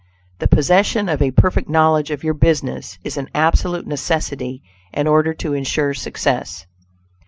The possession of a perfect knowledge of your business is an absolute necessity in order to insure success.